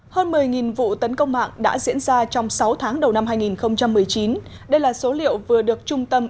hơn một mươi vụ tấn công mạng đã diễn ra trong sáu tháng đầu năm hai nghìn một mươi chín đây là số liệu vừa được trung tâm